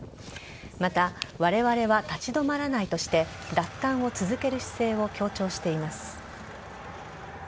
また、われわれは立ち止まらないとして奪還を続ける姿勢を強調しています。